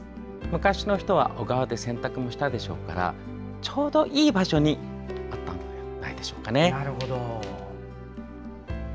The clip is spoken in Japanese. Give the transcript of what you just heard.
昔の人は小川で洗濯もしたでしょうからちょうどいい場所にあったのではないでしょうか。